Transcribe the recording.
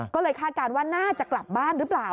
ก็เลยคาดการณ์ว่าน่าจะกลับบ้านหรือเปล่า